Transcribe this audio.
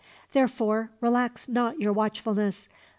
Therefore, relax not your watchfulness.